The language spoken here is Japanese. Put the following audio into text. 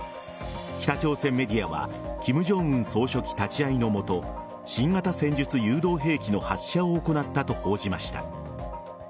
北朝鮮メディアは金正恩総書記立ち会いのもと新型戦術誘導兵器の発射を行ったと報じました。